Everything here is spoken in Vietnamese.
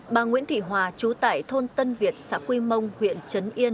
bà nguyễn thị hòa trú tại thôn tân việt xã quy mông huyện trấn yên